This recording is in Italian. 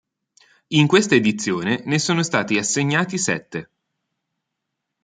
In questa edizione ne sono stati assegnati sette.